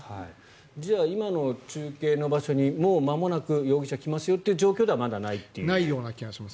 じゃあ今の中継の場所にもうまもなく容疑者が来ますよという状況ではないという気がします。